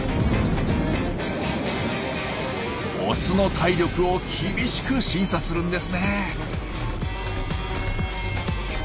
オスの体力を厳しく審査するんですね。